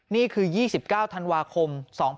นี่คือ๒๙ธันวาคม๒๕๖๒